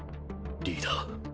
リーダー。